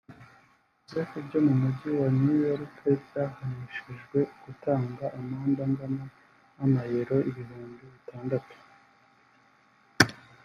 Joseph byo mu Mujyi wa New York byahanishijwe gutanga amande angana n’Amayero ibihumbi bitandatu